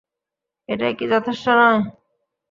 এটাই কি যথেষ্ট নয়?